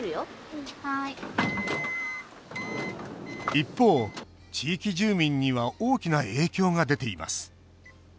一方、地域住民には大きな影響が出ています。